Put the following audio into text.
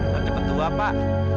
nanti betua pak